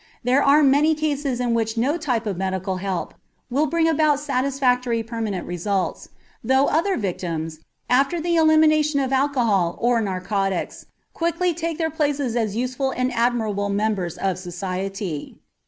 There are many cases in which no type of medical help will bring about satisfactory permanent results, though other victims, after the elimination of alcohol or narcotics, quickly take their places as useful and admirable members of society.